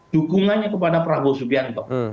dukungannya kepada prabowo subianto